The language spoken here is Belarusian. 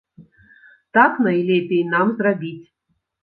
Так найлепей нам зрабіць!